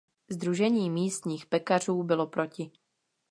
Sdružení místních pekařů bylo proti.